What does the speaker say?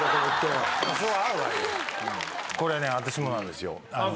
これね私もなんですよ。